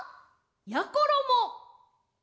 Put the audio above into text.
やころも！